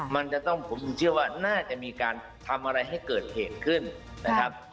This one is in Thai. มันจะต้องผมถึงเชื่อว่าน่าจะมีการทำอะไรให้เกิดเหตุขึ้นนะครับ